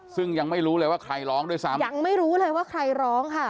ซึ่งยังไม่รู้เลยว่าใครร้องด้วยซ้ำยังไม่รู้เลยว่าใครร้องค่ะ